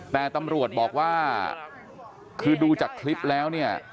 แต่ตำรวจบอกว่าคือดูจากคลิปแล้วเนี่ย